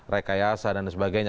rekayasa dan sebagainya